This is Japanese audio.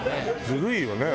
ずるいよね